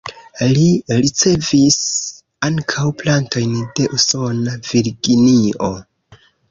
Li ricevis ankaŭ plantojn de usona Virginio.